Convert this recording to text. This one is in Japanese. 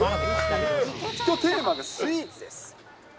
きょうテーマがスイーツです。